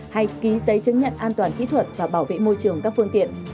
hay ký giấy chứng nhận an toàn kỹ thuật và bảo vệ môi trường các phương tiện